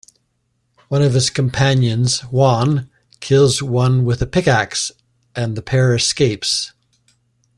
One of his companions, Juan, kills one with a pickax, and the pair escapes.